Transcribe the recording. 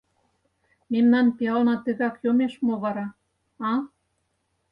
Мемнан пиална тыгак йомеш мо вара, а?